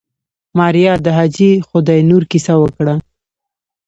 ماريا د حاجي خداينور کيسه وکړه.